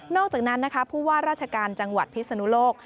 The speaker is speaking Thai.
อกจากนั้นนะคะผู้ว่าราชการจังหวัดพิศนุโลก